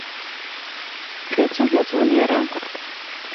Дӷьаҵәы-ӷьаҵәуан иара.